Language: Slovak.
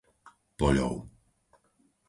Poľov